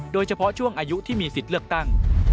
โดยเฉพาะช่วงอายุที่มีสิทธิ์เลือกตั้ง